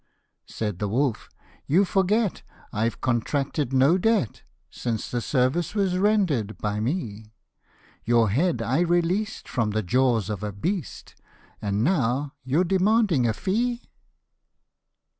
64 Said the wolf, " You forget I've contracted no debt, Since the service was render d by me ; Your head I released from the jaws of a beast, And now you're demanding a fee